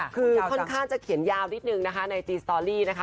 คือค่อนข้างจะเขียนยาวนิดนึงนะคะในจีนสตอรี่นะคะ